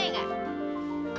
terima kasih ya